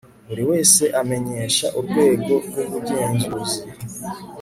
Buri wese amenyesha Urwego rw Ubugenzuzi